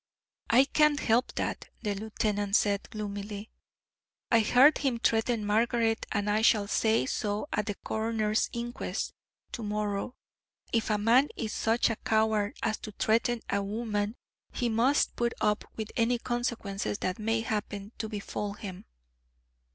"I can't help that," the lieutenant said, gloomily. "I heard him threaten Margaret, and I shall say so at the coroner's inquest to morrow. If a man is such a coward as to threaten a woman he must put up with any consequences that may happen to befall him."